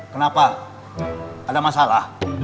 kenapa ada masalah